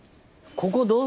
ここ。